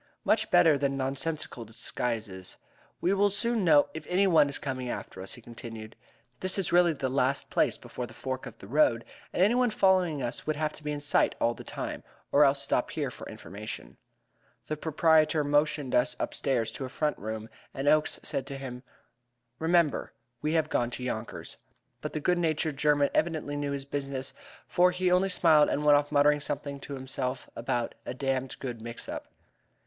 Much better than nonsensical disguises. We will soon know if any one is coming after us," he continued. "This is really the last place before the fork of the road, and anyone following us would have to be in sight all the time, or else stop here for information." The proprietor motioned us upstairs to a front room, and Oakes said to him: "Remember, we have gone to Yonkers." But the good natured German evidently knew his business, for he only smiled and went off muttering something to himself about a "damned good mix up."